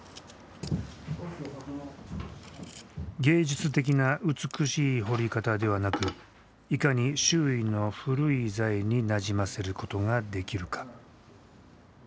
芸術的な美しい彫り方ではなくいかに周囲の古い材になじませることができるか。